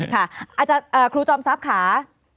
ค่ะอาจารย์ครูจอมสาพขา